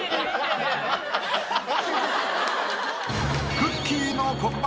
くっきー！の黒板